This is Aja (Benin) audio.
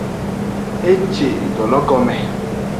E je edolo gome.